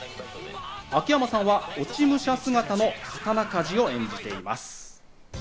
秋山さんは落武者姿の刀鍛冶を演じています。